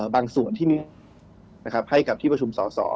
บางส่วนที่นี้ให้กับที่ประชุมสอสอ